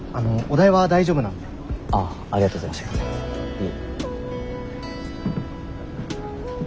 いえ。